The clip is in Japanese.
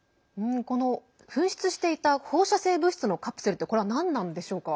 この紛失していた放射性物質のカプセルってこれは、なんなんでしょうか？